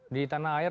di tanah air